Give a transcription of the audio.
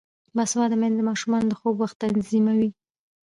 باسواده میندې د ماشومانو د خوب وخت تنظیموي.